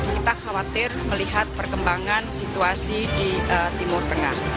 kita khawatir melihat perkembangan situasi di timur tengah